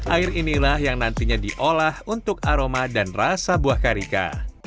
air inilah yang nantinya diolah untuk aroma dan rasa buah karika